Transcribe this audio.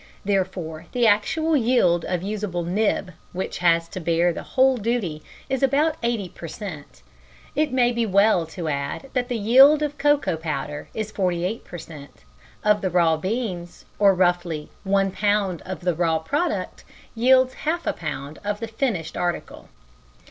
Therefore, the actual yield of usable nib, which has to bear the whole duty, is about 80 per cent. It may be well to add that the yield of cocoa powder is 48 per cent. of the raw beans, or roughly, one pound of the raw product yields half a pound of the finished article.